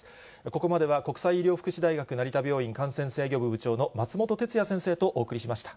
ここまでは国際医療福祉大学成田病院感染制御部部長の松本哲哉先生とお送りしました。